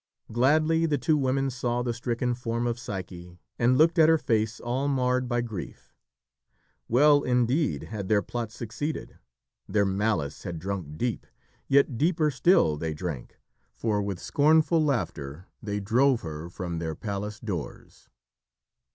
Gladly the two women saw the stricken form of Psyche and looked at her face, all marred by grief. Well, indeed, had their plot succeeded; their malice had drunk deep, yet deeper still they drank, for with scornful laughter they drove her from their palace doors.